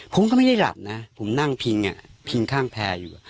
ผมก็ไม่ได้หลับนะผมนั่งพิงพิงข้างแพร่อยู่